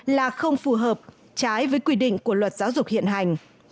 là không phù hợp trái với quy định của luật giáo dục hiện hành